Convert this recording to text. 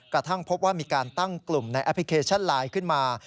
กระทั่งพบว่ามีการตั้งกลุ่มในแอปพลิเคชันไลน์ขึ้นมา